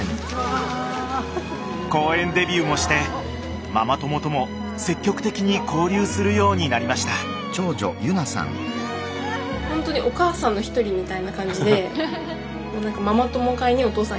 公園デビューもしてママ友とも積極的に交流するようになりましたすごい！